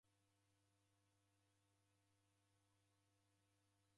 Moko na maw'ishi ghangi?